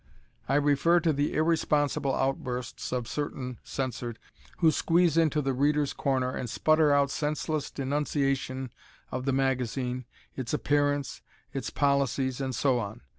I refer to the irresponsible outbursts of certain [censored] who squeeze into "The Readers' Corner" and sputter out senseless denunciations of the magazine, its appearance, its policies, and so on.